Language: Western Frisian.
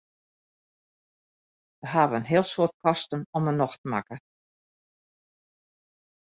Wy hawwe in heel soad kosten om 'e nocht makke.